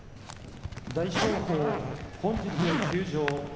大翔鵬本日より休場。